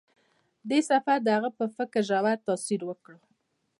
دې سفر د هغه په فکر ژور تاثیر وکړ.